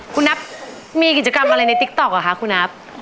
คุณนับมีกิจกรรมอะไรในติ๊กต๊อกอ่ะคะคุณนับ